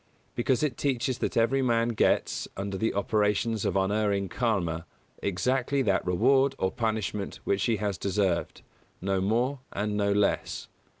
Because it teaches that every man gets, under the operations of unerring KARMA, exactly that reward or punishment which he has deserved, no more and no less.